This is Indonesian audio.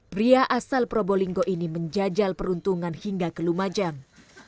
pria asal probolinggo ini menjajal peruntungan hingga ke lumajang